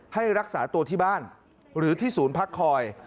ให้รักษาตัวที่บ้านหรือที่ศูนย์พักคอย